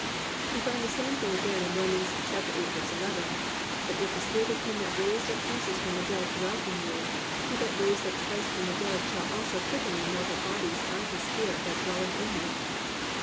"+ We find the same thing again in Romans 8:11: +"But if the Spirit of him that raised up Jesus from the dead dwell in you, He that raised up Christ from the dead shall also quicken your mortal bodies by His Spirit that dwelleth in you."